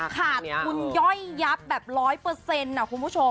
ขาดคุณย่อยยับแบบร้อยเปอร์เซ็นต์คุณผู้ชม